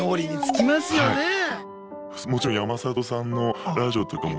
もちろん山里さんのラジオとかも。